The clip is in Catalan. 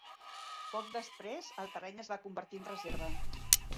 Poc després, el terreny es va convertir en reserva.